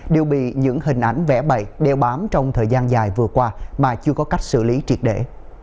đều bị những hình ảnh vẽ bậy đeo bám trong thời gian dài vừa qua mà chưa có cách xử lý triệt để